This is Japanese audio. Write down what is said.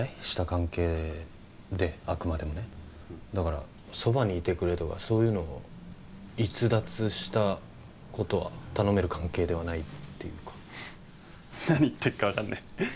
した関係であくまでもねだからそばにいてくれとかそういうの逸脱したことは頼める関係ではないっていうか何言ってっか分かんね